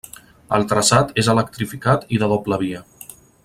El traçat és electrificat i de doble via.